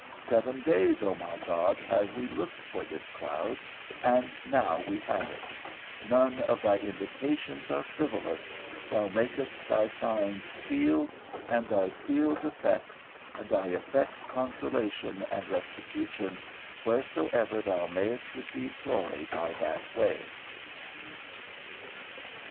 Seven days, O my God, have we looked for this cloud, and now we have it; none of thy indications are frivolous, thou makest thy signs seals, and thy seals effects, and thy effects consolation and restitution, wheresoever thou mayst receive glory by that way.